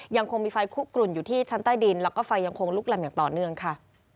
ยังคงมีไฟคุกกลุ่นอยู่ที่ชั้นใต้ดินแล้วก็ไฟยังคงลุกลำอย่างต่อเนื่องค่ะ